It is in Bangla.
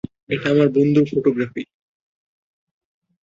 এটা আমার বন্ধুর ফটোগ্রাফি।